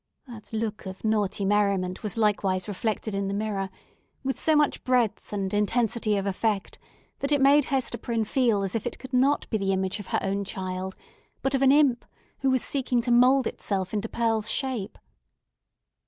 That look of naughty merriment was likewise reflected in the mirror, with so much breadth and intensity of effect, that it made Hester Prynne feel as if it could not be the image of her own child, but of an imp who was seeking to mould itself into Pearl's shape.